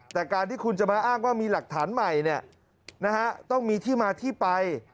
แต่การที่คุณจะมาอ้างว่ามีหลักฐานใหม่ต้องมีที่มาที่ไป